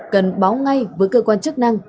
cần báo ngay với cơ quan chức năng